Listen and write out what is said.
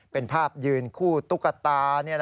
เป็นภาพยืนคู่ตุ๊กตา